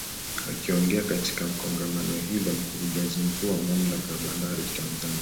Akiongea katika Kongamano hilo Mkurugenzi Mkuu wa Mamlaka ya Bandari Tanzania